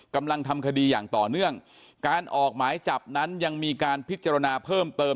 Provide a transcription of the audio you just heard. กำลังทำคดีอย่างต่อเนื่องการออกหมายจับนั้นยังมีการพิจารณาเพิ่มเติม